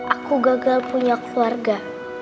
aku gagal punya keluarga